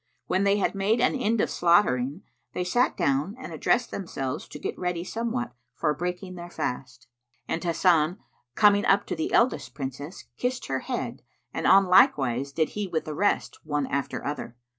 When they had made an end of slaughtering, they sat down and addressed themselves to get ready somewhat for breaking their fast, and Hasan, coming up to the eldest Princess, kissed her head and on like wise did he with the rest, one after other.